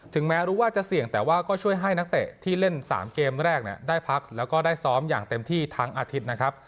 แม้รู้ว่าจะเสี่ยงแต่ว่าก็ช่วยให้นักเตะที่เล่น๓เกมแรกได้พักแล้วก็ได้ซ้อมอย่างเต็มที่ทั้งอาทิตย์นะครับ